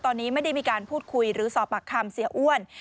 ตอนนี้ไม่ได้มีการพูดคุยหรือสอบปากคำเสียอ้วน